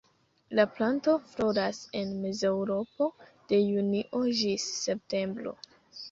La planto floras en Mezeŭropo de junio ĝis septembro.